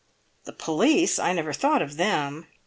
"The police! I never thought of them."